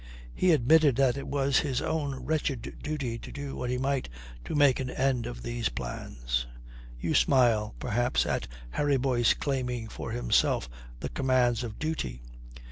He admitted that it was his own wretched duty to do what he might to make an end of these plans. You smile, perhaps, at Harry Boyce claiming for himself the commands of duty.